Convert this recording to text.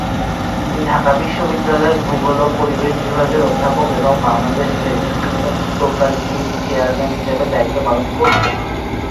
তিনি ঢাকা বিশ্ববিদ্যালয়ের ভূগোল ও পরিবেশ বিভাগের অধ্যাপক এবং বাংলাদেশ রেড ক্রিসেন্ট সোসাইটির চেয়ারম্যান হিসাবে দায়িত্ব পালন করেছেন।